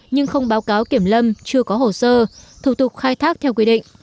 nhưng không báo cáo kiểm lâm chưa có hồ sơ thủ tục khai thác theo quy định